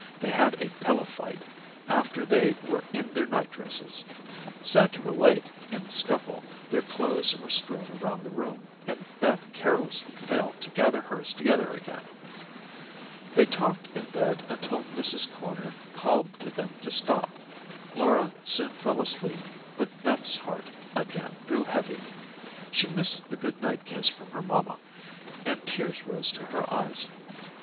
They had a pillow fight after they were in their night dresses. Sad to relate, in the scuffle, their clothes were strewn around the room, and Beth carelessly failed to gather hers together again. They talked in bed until Mrs. Corner called to them to stop. Laura soon fell asleep, but Beth's heart, again, grew heavy. She missed the good night kiss from her mamma, and tears rose to her eyes.